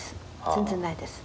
全然ないです。